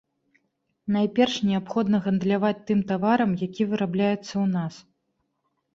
Найперш неабходна гандляваць тым таварам, які вырабляецца ў нас.